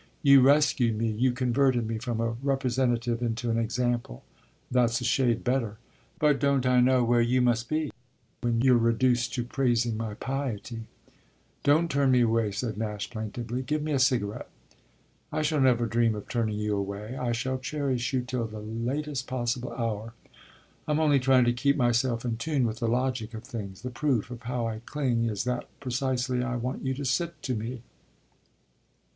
You rescued me; you converted me from a representative into an example that's a shade better. But don't I know where you must be when you're reduced to praising my piety?" "Don't turn me away," said Nash plaintively; "give me a cigarette." "I shall never dream of turning you away; I shall cherish you till the latest possible hour. I'm only trying to keep myself in tune with the logic of things. The proof of how I cling is that precisely I want you to sit to me."